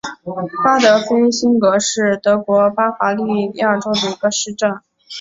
巴德菲辛格是德国巴伐利亚州的一个市镇。